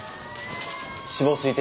死亡推定